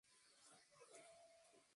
Los habitantes son criadores de alpacas.